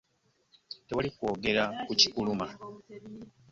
Tewali kwogera ku kikuluma.